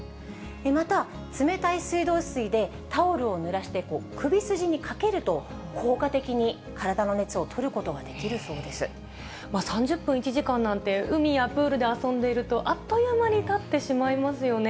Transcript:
また冷たい水道水でタオルをぬらして首筋にかけると、効果的に体３０分、１時間なんて、海やプールで遊んでいると、あっという間にたってしまいますよね。